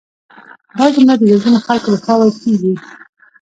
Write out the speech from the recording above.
دا جمله د زرګونو خلکو لخوا ویل کیږي